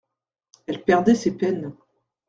Elle perdait ses peines.